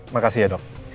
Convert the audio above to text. makasih ya dok